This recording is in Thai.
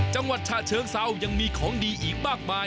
จังหวัดชาเชิงเซายังมีของดีอีกมากมาย